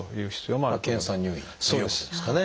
検査入院っていうことですかね。